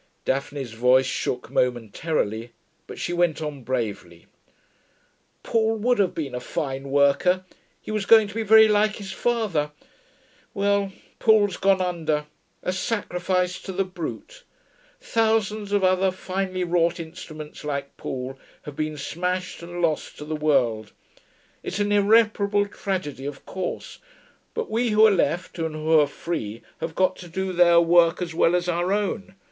Daphne's voice shook momentarily, but she went on bravely: 'Paul would have been a fine worker. He was going to be very like his father. Well, Paul's gone under a sacrifice to the Brute. Thousands of other finely wrought instruments like Paul have been smashed and lost to the world.... It's an irreparable tragedy, of course.... But we who are left and who are free have got to do their work as well as our own.